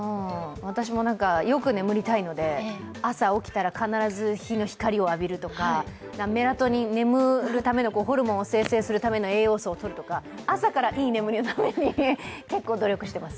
私もよく眠りたいので朝起きたら、必ず日の光を浴びるとかメラトニン、眠るためのホルモンを生成するための栄養素をとるとか朝からいい眠りのために結構努力しています。